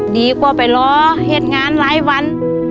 ดีกว่าไปรอเห็นงานหลายวัน